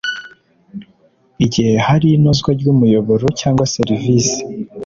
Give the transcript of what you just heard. Igihe hari inozwa ry umuyoboro cyangwa serivisi